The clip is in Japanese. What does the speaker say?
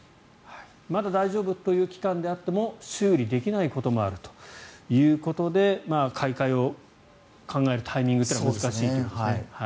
まだ大丈夫という期間であっても修理できないこともあるということで買い替えを考えるタイミングというのは難しいということですね。